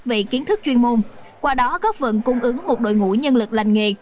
về kiến thức chuyên môn qua đó góp vận cung ứng một đội ngũ nhân lực lành nghề